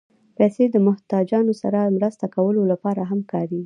پېسې د محتاجانو سره مرسته کولو لپاره هم کارېږي.